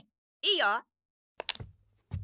いいよ。